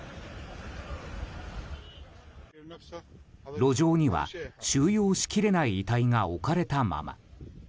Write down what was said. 路上には収容しきれない遺体が置かれたまま。